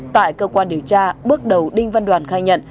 tại cơ quan điều tra bước đầu đinh văn đoàn khai nhận